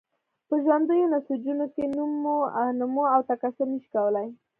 په ژوندیو نسجونو کې نمو او تکثر نشي کولای.